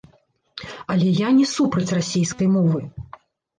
Але я не супраць расейскай мовы.